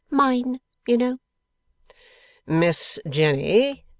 Mine, you know.' 'Miss Jenny!